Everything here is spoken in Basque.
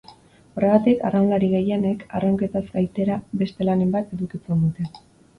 Horregatik, arraunlari gehienek, arraunketaz gaitera, beste lanen bat edukitzen dute.